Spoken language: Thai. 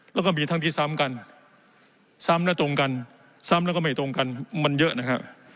แล้วก็มีทั้งที่ซ้ำกันซ้ำและตรงกันซ้ำแล้วก็ไม่ตรงกันมันเยอะนะครับ